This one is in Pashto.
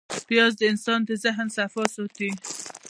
پیاز د انسان د ذهن صفا ساتي